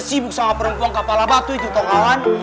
sibuk sama perempuan kepala batu itu tau gak wan